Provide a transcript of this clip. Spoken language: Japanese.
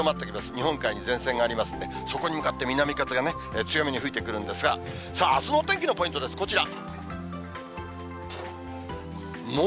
日本海に前線がありますんで、そこに向かって南風がね、強めに吹いてくるんですが、さあ、あすのお天気のポイントです、こちら。